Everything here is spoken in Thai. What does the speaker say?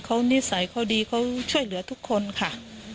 เขานิสัยเขาดีเขาช่วยเหลือทุกคนค่ะ